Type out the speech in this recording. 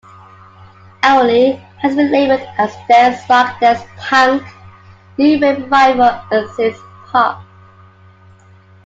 "Only" has been labeled as "dance-rock, dance-punk, new wave revival and synth-pop.